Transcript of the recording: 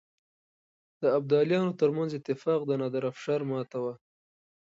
د ابدالیانو ترمنځ اتفاق د نادرافشار ماته وه.